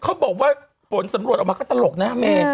เขาบอกว่าผลสำรวจออกมาก็ตลกนะเมย์